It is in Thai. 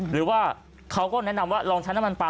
หรือว่าเขาก็แนะนำว่าลองใช้น้ำมันปลา